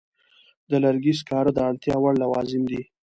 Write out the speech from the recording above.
د لرګي سکاره د اړتیا وړ لوازم دي.